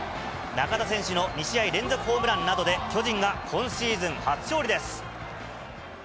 中田選手の２試合連続ホームランなどで、巨人が今シーズン初勝利